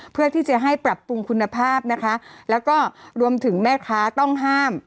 เพื่อที่จะให้ปรับปรุงคุณภาพนะคะแล้วก็รวมถึงแม่ค้าต้องห้าม